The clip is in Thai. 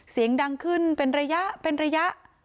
เสียงดังขึ้นเป็นระยะเป็นระยะ